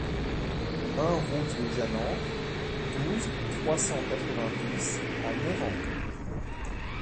un route des Janenques, douze, trois cent quatre-vingt-dix à Mayran